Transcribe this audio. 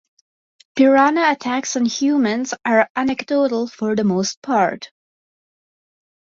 Piranha attacks on humans are anecdotal for the most part.